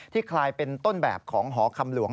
คลายเป็นต้นแบบของหอคำหลวง